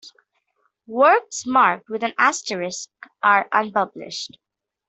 Works marked with an asterisk are unpublished.